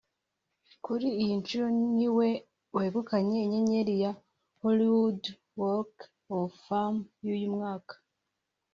Kuri iyi nshuro ni we wegukanye inyenyeri ya ‘Hollywood Walk of Fame’ y’uyu mwaka